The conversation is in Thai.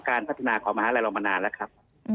การพัฒนาของมหาลัยเรามานานแล้วครับ